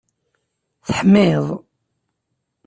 Teḥmiḍ!